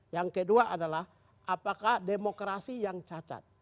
yang kedua adalah apakah demokrasi yang cacat